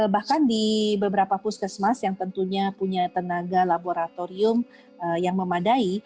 bahkan di beberapa puskesmas yang tentunya punya tenaga laboratorium yang memadai